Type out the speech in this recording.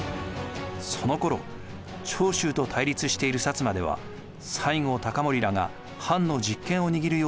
そのころ長州と対立している摩では西郷隆盛らが藩の実権をにぎるようになっていました。